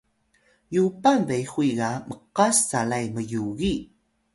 yupan behuy ga mqas calay myugi